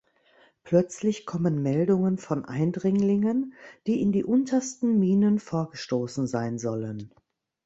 Plötzlich kommen Meldungen von Eindringlingen, die in die untersten Minen vorgestoßen sein sollen.